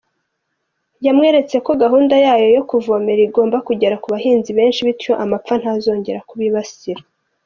Yamweretse ko gahunda yo kuvomerera igomba kugera ku bahinzi benshi bityo amapfa ntazongere kubibasira.